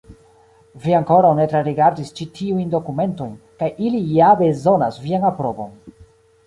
Vi ankoraŭ ne trarigardis ĉi tiujn dokumentojn, kaj ili ja bezonas vian aprobon.